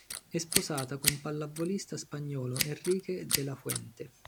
È sposata col pallavolista spagnolo Enrique de la Fuente.